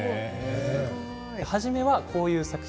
初めはこういう作品。